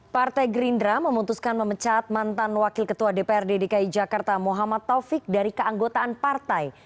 partai gerindra memutuskan memecat mantan wakil ketua dprd dki jakarta muhammad taufik dari keanggotaan partai